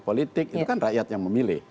politik itu kan rakyat yang memilih